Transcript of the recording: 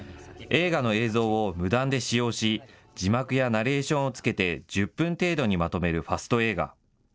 映画の映像を無断で使用し、字幕やナレーションをつけて１０分程度にまとめるファスト映画。